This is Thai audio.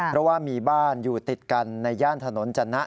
เพราะว่ามีบ้านอยู่ติดกันในย่านถนนจนะ